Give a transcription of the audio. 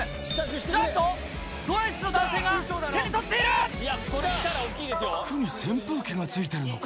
なんと、ドイツの男性が手に取っ服に扇風機がついてるのか。